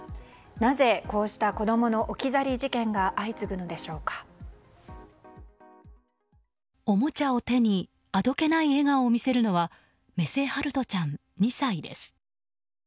なぜ、こうした子供の置き去り事件がおもちゃを手にあどけない笑顔を見せるのは目瀬陽翔ちゃん、２歳です。